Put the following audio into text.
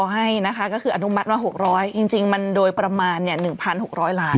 ให้นะคะก็คืออนุมัติว่าหกร้อยจริงจริงมันโดยประมาณเนี้ยหนึ่งพันหกร้อยล้าน